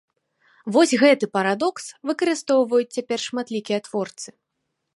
Вось гэты парадокс выкарыстоўваюць цяпер шматлікія творцы.